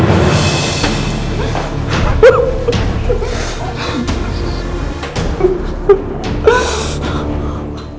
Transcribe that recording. gue gak kenal sama dia